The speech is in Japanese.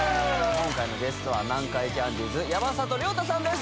今回のゲストは南海キャンディーズ山里亮太さんです